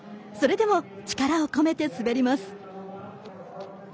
それでも力を込めて滑ります。